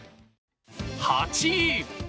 ８位。